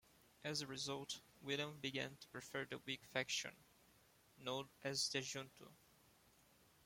As a result, William began to prefer the Whig faction known as the Junto.